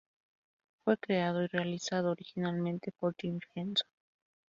Fue creado y realizado originalmente por Jim Henson.